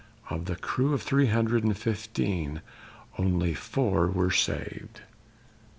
Of the crew of three hundred and fifteen, only four were saved.